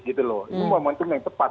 itu momentum yang tepat